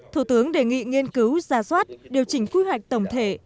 thủ tướng đề nghị nghiên cứu ra soát điều chỉnh quy hoạch tổng thể